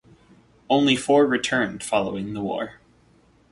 Only four returned, following the war.